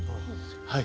はい。